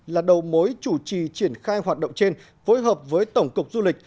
là đầu mối chủ trì triển khai hoạt động trên phối hợp với tổng cục du lịch